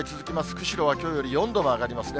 釧路はきょうより４度も上がりますね。